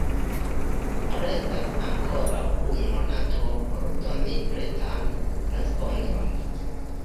Restas ankoraŭ unu monato por doni pretan respondon.